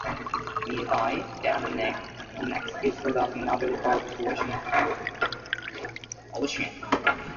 Nearby, Dam Neck Annex is part of Naval Air Station Oceana.